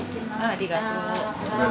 ありがとう。